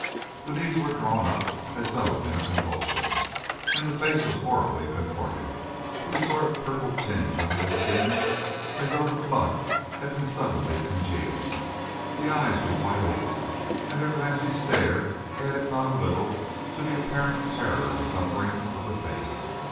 The knees were drawn up as though in a convulsion, and the face was horribly contorted, with a sort of purple tinge under the skin, as though the blood had been suddenly congealed. The eyes were wide open, and their glassy stare added not a little to the apparent terror and suffering of the face.